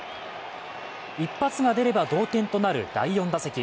一発が出れば同点となる第４打席。